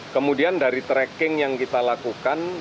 kemudian dari tracking yang kita lakukan